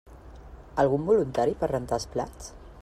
Algun voluntari per rentar els plats?